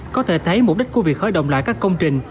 có thể thấy mục đích của việc khởi động lại các công trình